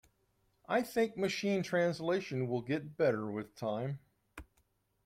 I think Machine Translation will get better with time.